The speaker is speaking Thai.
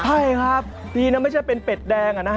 ใช่ครับดีนะไม่ใช่เป็นเป็ดแดง